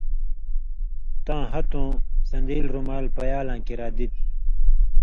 تاں ہتہۡؤں سن٘دیلیۡ رُمال پَیالاں کریا دِتیۡ